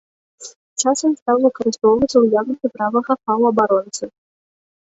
Часам стаў выкарыстоўвацца ў якасці правага паўабаронцы.